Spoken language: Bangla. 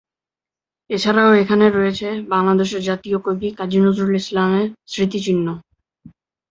এছাড়াও এখানে রয়েছে বাংলাদেশের জাতীয় কবি কাজী নজরুল ইসলামের স্মৃতিচিহ্ন।